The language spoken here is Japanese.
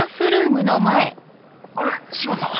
あれ島さん。